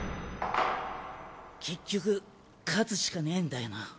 結局勝つしかねえんだよな。